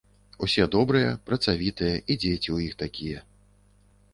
Усе добрыя, працавітыя, і дзеці ў іх такія.